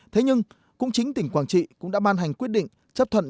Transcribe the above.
thế nhưng cũng chính tỉnh quảng trị cũng đã ban hành quyết định chấp thuận